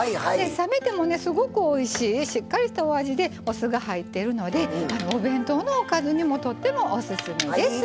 冷めてもねすごくおいしいしっかりしたお味でお酢が入ってるのでお弁当のおかずにもとってもオススメです。